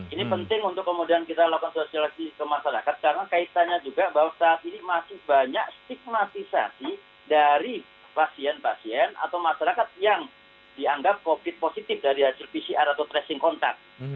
ini penting untuk kemudian kita lakukan sosialisasi ke masyarakat karena kaitannya juga bahwa saat ini masih banyak stigmatisasi dari pasien pasien atau masyarakat yang dianggap covid positif dari hasil pcr atau tracing kontak